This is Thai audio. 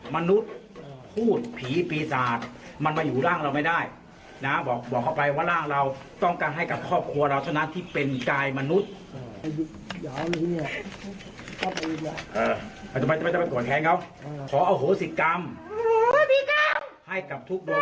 มึงไปดูตอนนั้นหน่อยฮะ